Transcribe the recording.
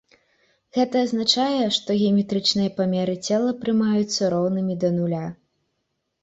Гэта азначае, што геаметрычныя памеры цела прымаюцца роўнымі да нуля.